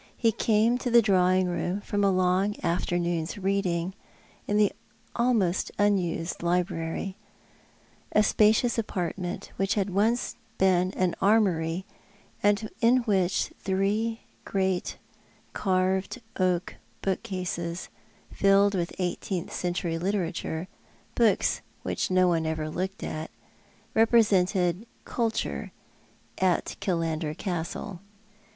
He came to the drawing room from a long afternoon's reading in the almost unused library— a spacious i apartment, which had once been an armoury, and in which three great carved oak bookcases, iilled with eighteenth century literature — books which nobody ever looked at— represented culture at Killander Castle.